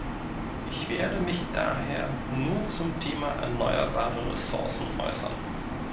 Ich werde mich daher nur zum Thema erneuerbare Ressourcen äußern.